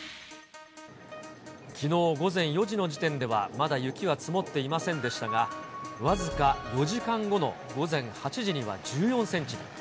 きのう午前４時の時点では、まだ雪は積もっていませんでしたが、僅か４時間後の午前８時には１４センチに。